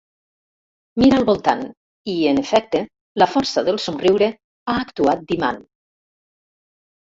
Mira al voltant i, en efecte, la força del somriure ha actuat d'imant.